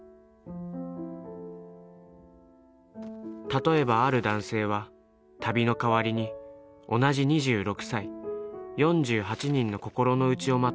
例えばある男性は旅の代わりに同じ２６歳４８人の心の内をまとめた本を出版した。